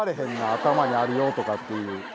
「頭にあるよ」とかっていう。